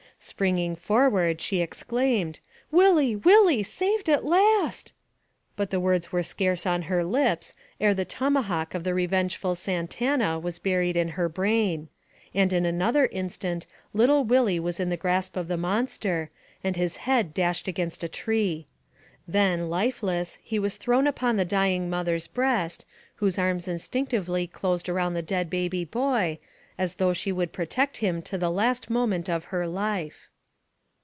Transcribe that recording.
Springing forward, she exclaimed :" Willie, Willie, saved at last !" but the words were scarce on her lips, ere the tomahawk of the revengeful Santana was buried in her brain ; and in another instant little Willie was in the grasp of the monster, and his head dashed against a tree ; then, lifeless, he was thrown upon the dying mother's breast, whose arms instinctively closed AMONG THE SIOUX INDIANS. 249 around the dead baby boy, as though she would pro tect him to the last moment of her life.